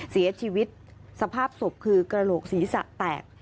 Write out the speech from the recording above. เสียชีวิตสภาพศพคือกระโหลกศีรษะแตก